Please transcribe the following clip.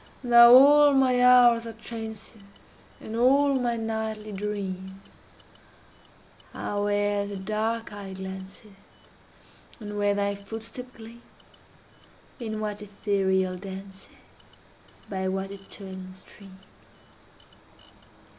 Now all my hours are trances; And all my nightly dreams Are where the dark eye glances, And where thy footstep gleams, In what ethereal dances, By what Italian streams.